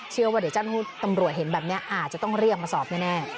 เชื่อว่าเดี๋ยวเจ้าตำรวจเห็นแบบเนี้ยอ่าจะต้องเรียกมาสอบแน่แน่